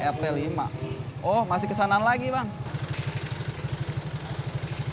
rt lima oh masih kesanan lagi bang